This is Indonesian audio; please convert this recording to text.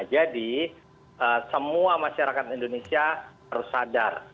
jadi semua masyarakat indonesia harus sadar